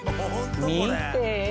見て！